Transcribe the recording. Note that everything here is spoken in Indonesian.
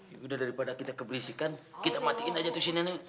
ya udah daripada kita keberisikan kita matiin aja tuh si nenek